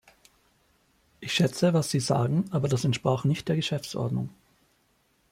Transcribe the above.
Ich schätze, was Sie sagen, aber das entsprach nicht der Geschäftsordnung.